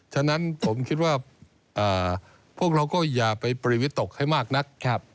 ฉะนั้นผมคิดว่าพวกเราก็อย่าไปปริวิตกให้มากนัก